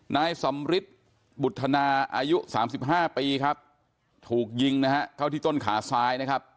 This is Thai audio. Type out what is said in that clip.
นายสำริสบุธนาอายุ๓๕ปีครับถูกยิงนะครับเขาที่ต้นขาซ้ายนะครับ